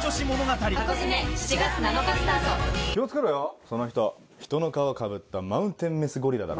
気を付けろよその人人の皮かぶったマウンテンメスゴリラだから。